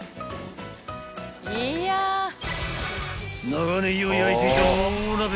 ［長ネギを焼いていた大鍋と］